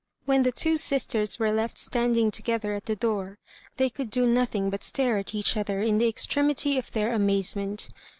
When the two sisters were left standing toge ther at the door, they could do nothing but staro at each other in the extremity of theur amaze ment.